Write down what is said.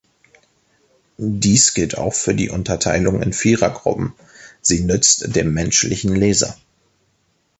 Dies gilt auch für die Unterteilung in Vierergruppen, sie nützt dem menschlichen Leser.